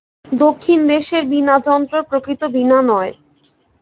দক্ষিণদেশের বীণাযন্ত্র প্রকৃত বীণা নয়।